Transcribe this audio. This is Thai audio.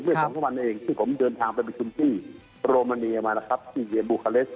เป็นดำเนินการที่คณะกรรมการบริหารของสถานยบหนักนางชาตินะครับ